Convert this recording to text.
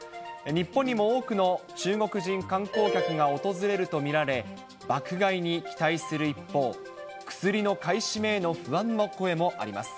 日本にも多くの中国人観光客が訪れると見られ、爆買いに期待する一方、薬の買い占めへの不安の声もあります。